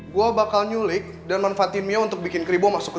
gue bakal nyulik dan manfaatin mia untuk bikin kribo masuk ke